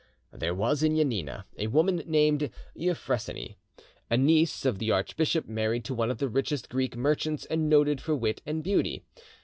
There was in Janina a woman named Euphrosyne, a niece of the archbishop, married to one of the richest Greek merchants, and noted for wit and beauty.